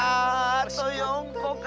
あと４こか。